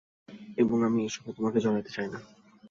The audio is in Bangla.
এবং আমি এসবে তোমাকে জড়াতে চাইনা।